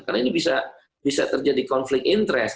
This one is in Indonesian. karena ini bisa terjadi konflik interest